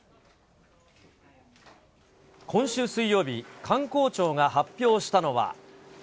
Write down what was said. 今週水曜日、観光庁が発表したのは。